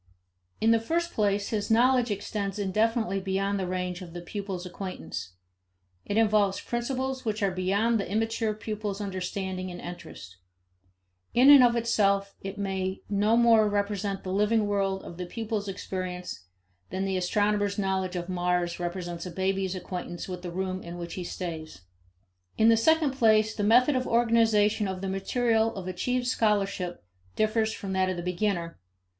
In the first place, his knowledge extends indefinitely beyond the range of the pupil's acquaintance. It involves principles which are beyond the immature pupil's understanding and interest. In and of itself, it may no more represent the living world of the pupil's experience than the astronomer's knowledge of Mars represents a baby's acquaintance with the room in which he stays. In the second place, the method of organization of the material of achieved scholarship differs from that of the beginner.